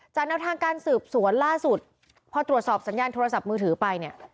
แนวทางการสืบสวนล่าสุดพอตรวจสอบสัญญาณโทรศัพท์มือถือไปเนี่ย